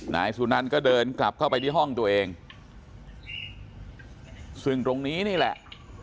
นายสุนันก็เดินกลับเข้าไปที่ห้องตัวเองซึ่งตรงนี้นี่แหละ